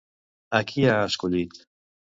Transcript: A qui ha escollit?